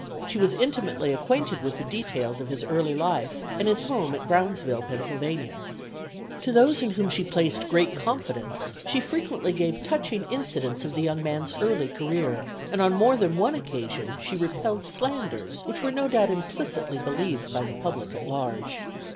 She was intimately acquainted with the details of his early life and his home at Brownsville, Pa. To those in whom she placed great confidence she frequently gave touching incidents of the young man's early career, and on more than one occasion she repelled slanders which were no doubt implicitly believed by the public at large.